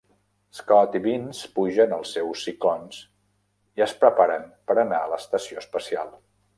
Scott i Vince pugen als seus Cyclones i es preparen per anar a l'estació espacial.